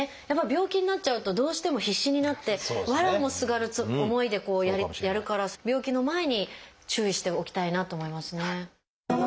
やっぱり病気になっちゃうとどうしても必死になってわらをもすがる思いでこうやるから病気の前に注意しておきたいなと思いますね。